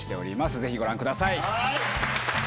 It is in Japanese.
ぜひご覧ください。